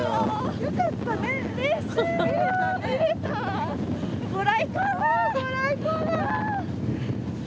「よかったねこれ」